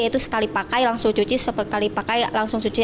yaitu sekali pakai langsung cuci sekali pakai langsung cuci